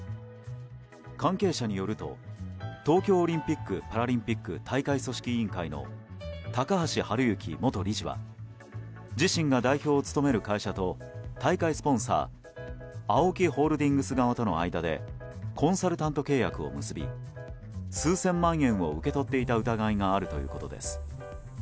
関係者によると東京オリンピック・パラリンピック大会組織委員会の高橋治之元理事は自身が代表を務める会社と大会スポンサーＡＯＫＩホールディングス側との間でコンサルタント契約を結び数千万円を受け取っていた疑いがあるということです。